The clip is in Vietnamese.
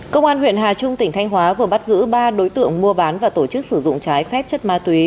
công an huyện hà trung tỉnh thanh hóa vừa bắt giữ ba đối tượng mua bán và tổ chức sử dụng trái phép chất ma túy